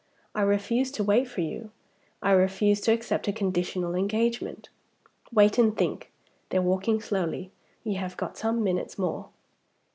I refuse to wait for you; I refuse to accept a conditional engagement. Wait, and think. They're walking slowly; you have got some minutes more."